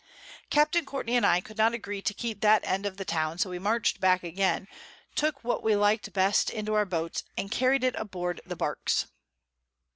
Capt. Courtney and I could not agree to keep that End of the Town, so we march'd back again, took what we lik'd best into our Boats, and carried it aboard the Barks.